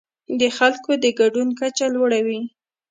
د خلکو د ګډون کچه لوړه وي.